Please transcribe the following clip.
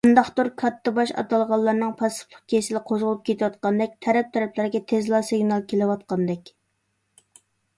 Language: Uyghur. قانداقتۇر كاتتىباش ئاتالغانلارنىڭ پاسسىپلىق كېسىلى قوزغىلىپ كېتىۋاتقاندەك، تەرەپ - تەرەپلەرگە تېزلا سىگنال كېلىۋاتقاندەك.